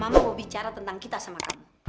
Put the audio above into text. mama mau bicara tentang kita sama sama